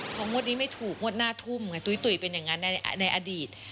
พองวดนี้ไม่ถูกงวดหน้าทุ่มไงตุ๋ยเป็นอย่างนั้นในอดีต